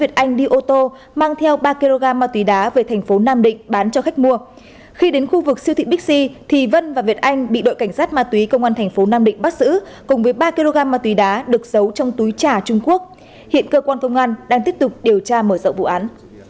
trong khu vực siêu thị pixi thì vân và việt anh bị đội cảnh sát ma túy công an thành phố nam định bắt giữ cùng với ba kg ma túy đá được giấu trong túi trà trung quốc hiện cơ quan công an đang tiếp tục điều tra mở rộng vụ án